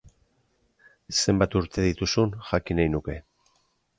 Zenbat urte dituzun jakin nahi nuke.